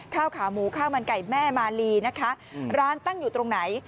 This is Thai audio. ข้าวขาหมูข้าวมันไก่แม่มาลีนะคะร้านตั้งอยู่ตรงไหน